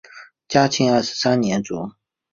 嘉庆二十三年卒。